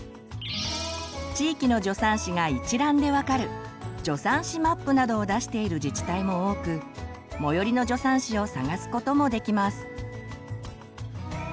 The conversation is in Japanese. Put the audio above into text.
地域の助産師が一覧で分かる「助産師マップ」などを出している自治体も多く最寄りの助産師を探すこともできます。